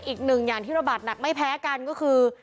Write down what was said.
อีกหนึ่งอย่างที่ระบาดหนักไม่แพ้กันก็คือ